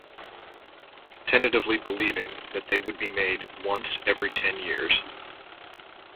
Tentatively believing that they would be made once every ten years.